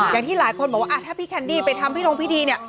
อย่างที่หลายคนบอกว่าถ้าพี่แคนดี้ไปทำพินงพิธีเนี่ย